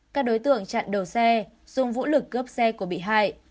các đối tượng chặn đầu xe dùng vũ lực cướp xe của bị hại